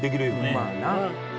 まあな。